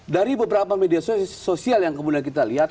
dari beberapa media sosial yang kemudian kita lihat